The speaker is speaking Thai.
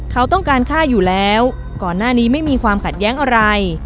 เขาต้องการฆ่าอยู่แล้วก่อนหน้านี้ไม่มีความขัดแย้งอะไร